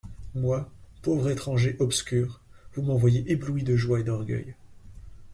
Moi, pauvre étranger obscur, vous m'en voyez ébloui de joie et d'orgueil.